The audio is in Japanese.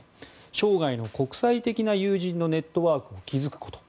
生涯の国際的な友人のネットワークを築くこと。